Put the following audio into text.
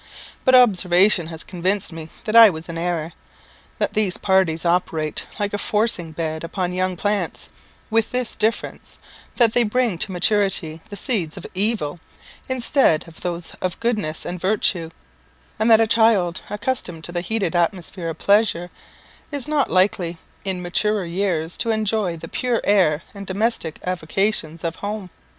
But observation has convinced me that I was in error; that these parties operate like a forcing bed upon young plants, with this difference, that they bring to maturity the seeds of evil, instead of those of goodness and virtue, and that a child accustomed to the heated atmosphere of pleasure, is not likely in maturer years to enjoy the pure air and domestic avocations of home.